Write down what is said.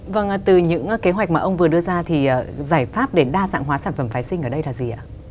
vâng từ những kế hoạch mà ông vừa đưa ra thì giải pháp để đa dạng hóa sản phẩm phái sinh ở đây là gì ạ